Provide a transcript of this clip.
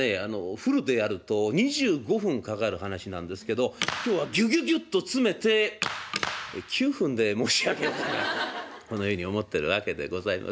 フルでやると２５分かかる話なんですけど今日はぎゅぎゅぎゅっと詰めて９分で申し上げようかなとこのように思ってるわけでございます。